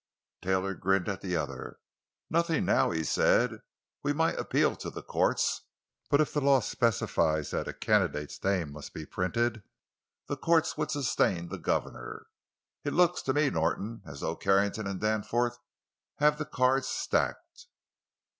Taylor grinned at the other. "Nothing, now," he said. "We might appeal to the courts, but if the law specifies that a candidate's name must be printed, the courts would sustain the governor. It looks to me, Norton, as though Carrington and Danforth have the cards stacked."